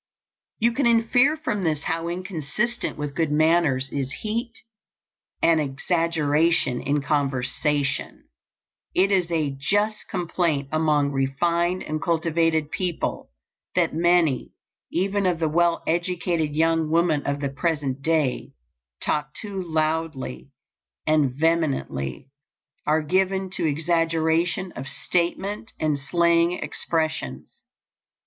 You can infer from this how inconsistent with good manners is heat and exaggeration in conversation. It is a just complaint among refined and cultivated people that many, even of the well educated young women of the present day, talk too loudly and vehemently; are given to exaggeration of statement and slang expressions.